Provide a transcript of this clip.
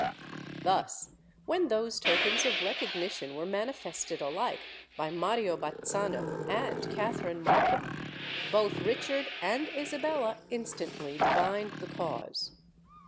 Thus, when those tokens of recognition were manifested alike by Mario Bazzano and Katherine Markham, both Richard and Isabella instantly divined the cause.